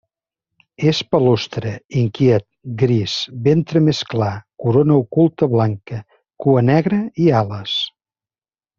És palustre, inquiet, gris, ventre més clar, corona oculta blanca, cua negra i ales.